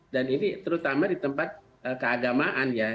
dan ini terutama di tempat keagamaan ya